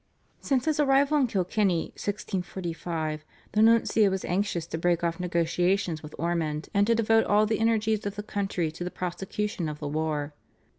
Since his arrival in Kilkenny (1645) the nuncio was anxious to break off negotiations with Ormond, and to devote all the energies of the country to the prosecution of the war.